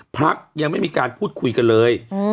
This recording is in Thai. พลักษณ์ยังไม่มีการพูดคุยกันเลยอืม